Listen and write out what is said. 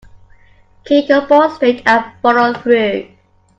Kick the ball straight and follow through.